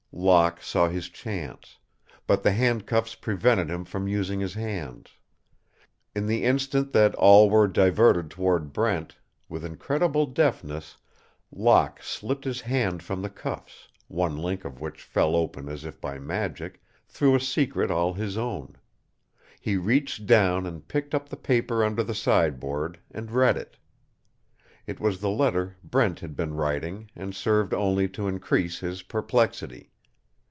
Locke saw his chance. But the handcuffs prevented him from using his hands. In the instant that all were diverted toward Brent, with incredible deftness Locke slipped his hand from the cuffs, one link of which fell open as if by magic, through a secret all his own. He reached down and picked up the paper under the sideboard and read it. It was the letter Brent had been writing and served only to increase his perplexity.